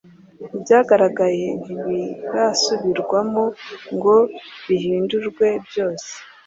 Ibyagaragaye ntibirasubirwamo ngo bihindurwe byose